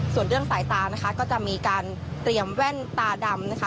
ส่วนเรื่องสายตานะคะก็จะมีการเตรียมแว่นตาดำนะคะ